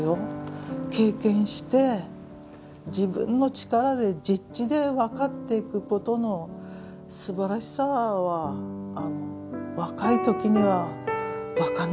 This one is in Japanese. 経験して自分の力で実地で分かっていくことのすばらしさは若い時には分かんなかったことが今分かる。